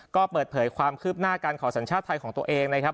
ก็เปิดเผยความคืบหน้าการขอสัญชาติไทยของตัวเองนะครับ